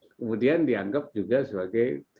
kemudian dianggap juga sebagai tipe yang kritis